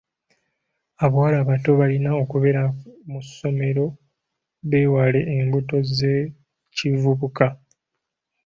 Abawala abato balina okubeera mu ssomero beewale embuto z'ekibubuka.